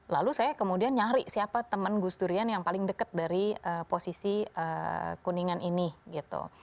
lalu saya kemudian nyari siapa teman gus durian yang paling dekat dari posisi kuningan ini gitu